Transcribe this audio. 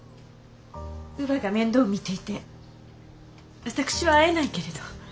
乳母が面倒を見ていて私は会えないけれど。